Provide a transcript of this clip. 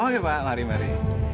oke pak mari mari